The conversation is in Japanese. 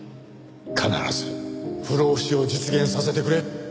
必ず不老不死を実現させてくれ。